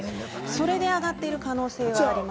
それで上がっている可能性があります。